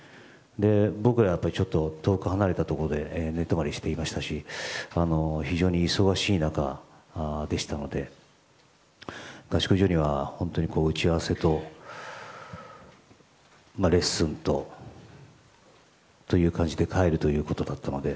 僕は遠く離れたところで寝泊まりしていましたし非常に忙しい中でしたので合宿所には、本当に打ち合わせとレッスンという感じで帰るということだったので。